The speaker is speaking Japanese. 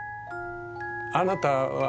あなたは！？